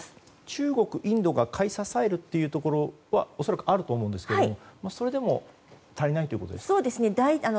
中国、インドが買い支えるというところは恐らくあると思いますがそれでも足りないということですか？